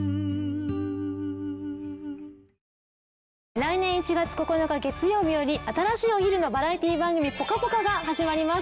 来年１月９日月曜日より新しいお昼のバラエティー番組『ぽかぽか』が始まります。